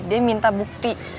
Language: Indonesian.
dia minta bukti